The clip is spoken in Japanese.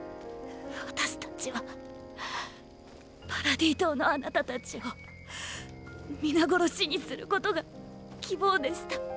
私たちはパラディ島のあなたたちを皆殺しにすることが希望でした。